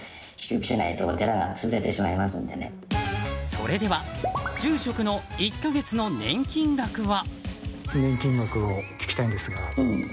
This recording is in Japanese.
それでは、住職の１か月の年金額は？